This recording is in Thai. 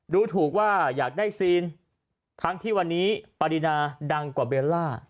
ดูถูกว่าอยากได้ซีนทั้งที่วันนี้ปรินาดังกว่าเบลล่า